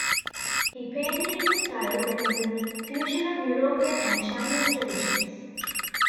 He painted in a style that is a fusion of European and Chinese traditions.